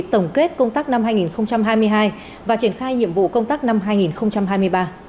tổng kết công tác năm hai nghìn hai mươi hai và triển khai nhiệm vụ công tác năm hai nghìn hai mươi ba